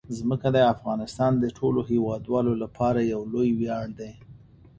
ځمکه د افغانستان د ټولو هیوادوالو لپاره یو لوی ویاړ دی.